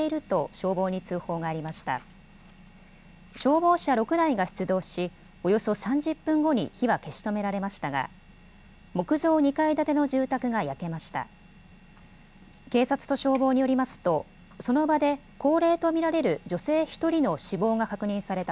消防車６台が出動しおよそ３０分後に火は消し止められましたが木造２階建ての住宅が焼けました。